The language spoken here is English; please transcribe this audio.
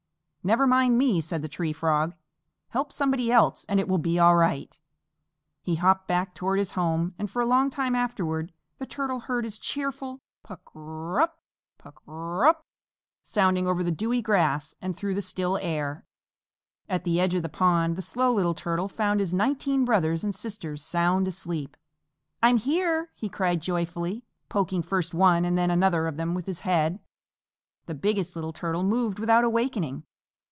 "Never mind me," said the Tree Frog. "Help somebody else and it will be all right." He hopped back toward his home, and for a long time afterward the Turtle heard his cheerful "Pukr r rup! Pukr r rup!" sounding over the dewy grass and through the still air. At the edge of the pond the Slow Little Turtle found his nineteen brothers and sisters sound asleep. "I'm here!" he cried joyfully, poking first one and then another of them with his head. The Biggest Little Turtle moved without awakening.